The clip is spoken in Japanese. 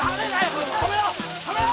これ止めろ止めろ！